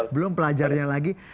belum pelajarnya lagi